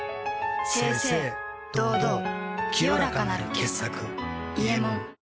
清々堂々清らかなる傑作「伊右衛門」